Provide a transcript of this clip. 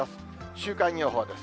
週間予報です。